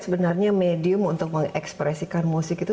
sebenarnya medium untuk mengekspresikan musik itu